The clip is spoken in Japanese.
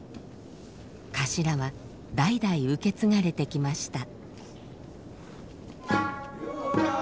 頭は代々受け継がれてきました。